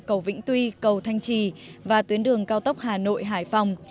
cầu vĩnh tuy cầu thanh trì và tuyến đường cao tốc hà nội hải phòng